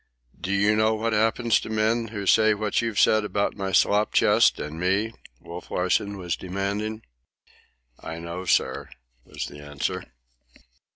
"Do you know what happens to men who say what you've said about my slop chest and me?" Wolf Larsen was demanding. "I know, sir," was the answer.